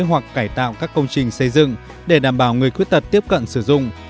hoặc cải tạo các công trình xây dựng để đảm bảo người khuyết tật tiếp cận sử dụng